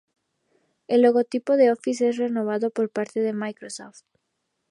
El logotipo de Office es renovado por parte de Microsoft.